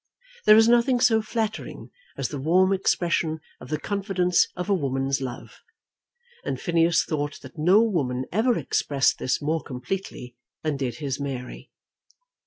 There is nothing so flattering as the warm expression of the confidence of a woman's love, and Phineas thought that no woman ever expressed this more completely than did his Mary.